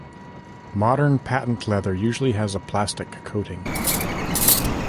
Modern patent leather usually has a plastic coating.